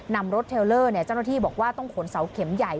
นำรถเทลเลอร์เจ้าหน้าที่บอกว่าต้องขนเสาเข็มใหญ่